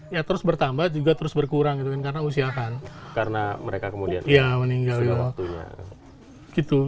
ya terus bertambah juga terus berkurang karena usia kan karena mereka kemudian ya meninggal gitu